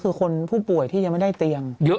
คือคนผู้ป่วยที่ยังไม่ได้เตียง